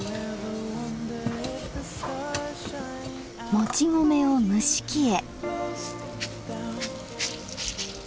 もち米を蒸し器へ。